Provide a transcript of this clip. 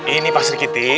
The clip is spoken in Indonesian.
ini pak sri kiti